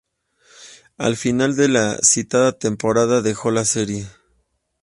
Al final de la citada temporada, dejó la serie.